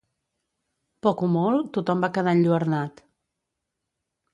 Poc o molt, tothom va quedar enlluernat.